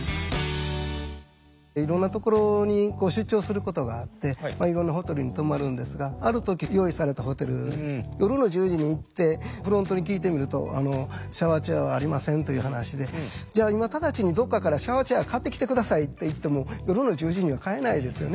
いろんなところに出張することがあっていろんなホテルに泊まるんですがある時用意されたホテル夜の１０時に行ってフロントに聞いてみるとシャワーチェアはありませんという話でじゃあ今直ちにどっかからシャワーチェア買ってきて下さいと言っても夜の１０時には買えないですよね。